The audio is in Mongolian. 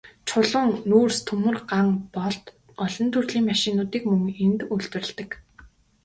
Чулуун нүүрс, төмөр, ган болд, олон төрлийн машинуудыг мөн энд үйлдвэрлэдэг.